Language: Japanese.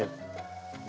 で